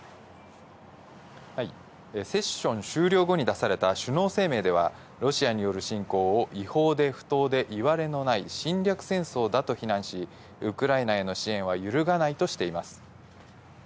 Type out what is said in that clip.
セッション終了後に出された首脳声明では、ロシアによる侵攻を違法で不当でいわれのない侵略戦争だと非難し、ウクライナへの支援は揺るがないとしています。